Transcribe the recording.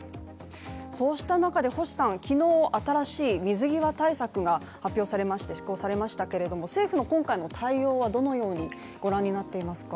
そうした中で昨日新しい水際対策が施行されましたが政府の今回の対応はどのようにご覧になっていますか？